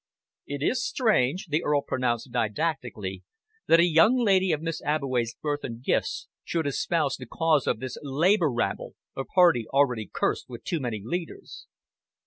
"It is strange," the Earl pronounced didactically, "that a young lady of Miss Abbeway's birth and gifts should espouse the cause of this Labour rabble, a party already cursed with too many leaders."